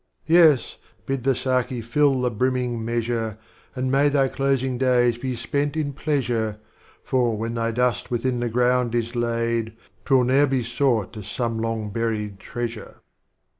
XXXIII. Yes, bid the Stlki fill the Brimming Measure, And may thy closing days be spent in Pleasure, For, when thy Dust within the Ground is laid, 'T will ne'er be sought as some long hurried Treasure.